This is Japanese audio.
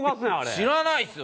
知らないですよ！